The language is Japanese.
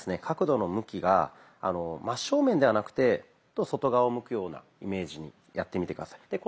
角度の向きが真正面ではなくて外側を向くようなイメージにやってみて下さい。